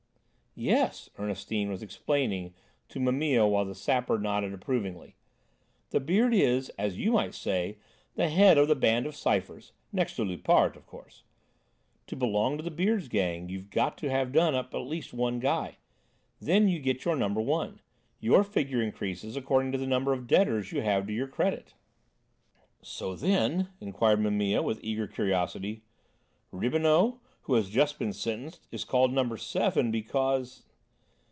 "Yes," Ernestine was explaining to Mimile while the Sapper nodded approvingly, "the Beard is, as you might say, the head of the band of Cyphers, next to Loupart, of course. To belong to the Beard's gang you've got to have done up at least one guy. Then you get your Number 1. Your figure increases according to the number of deaders you have to your credit." "So then," inquired Mimile, with eager curiosity, "Riboneau, who has just been sentenced, is called number 'seven' because